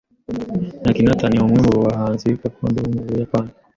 Naginata ni bumwe mu buhanzi gakondo bwo mu Buyapani.